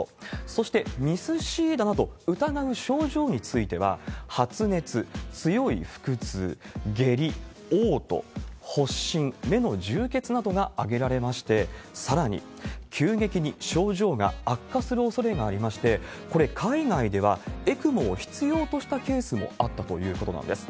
そして、ＭＩＳ−Ｃだなと疑う症状については、発熱、強い腹痛、下痢、嘔吐、発疹、目の充血などが挙げられまして、さらに、急激に症状が悪化するおそれがありまして、これ、海外ではＥＣＭＯを必要としたケースもあったということなんです。